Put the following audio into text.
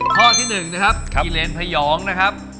ข้อที่๑นะครับกิเลนพยองนะครับ